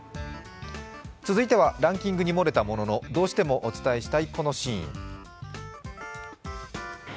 続いてはランキングに漏れたもののどうしてもお伝えしたいこのシーン。